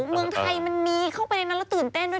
เมืองไทยมันมีเข้าไปในนั้นแล้วตื่นเต้นด้วย